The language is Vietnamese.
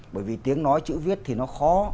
bởi vì tiếng nói chữ viết thì nó khó